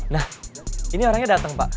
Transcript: nah ini orangnya datang pak